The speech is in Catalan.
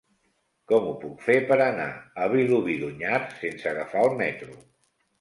Com ho puc fer per anar a Vilobí d'Onyar sense agafar el metro?